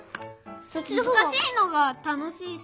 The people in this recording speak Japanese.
むずかしいのがたのしいし。